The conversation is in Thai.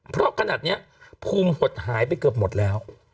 เพราะขนาดนี้ภูมิหดหายไปเกือบหมดแล้ว